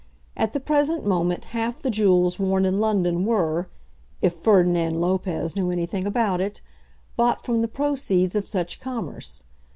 At the present moment half the jewels worn in London were, if Ferdinand Lopez knew anything about it, bought from the proceeds of such commerce.